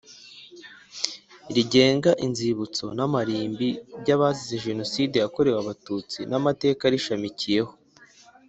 rigenga inzibutso n amarimbi by abazize Jenoside yakorewe Abatutsi n Amateka arishamikiyeho